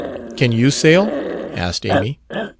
"Can you sail?" asked Amy.